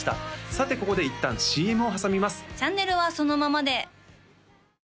さてここでいったんＣＭを挟みます